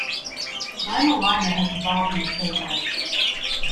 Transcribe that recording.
Lima Lima has evolved in the same way.